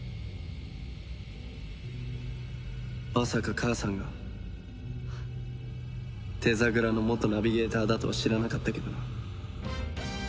まさか母さんがデザグラの元ナビゲーターだとは知らなかったけどな。